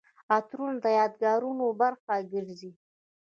عطرونه د یادګارونو برخه ګرځي.